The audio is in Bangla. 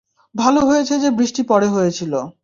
ভাল হয়েছে যে বৃষ্টি পরে হয়েছিল।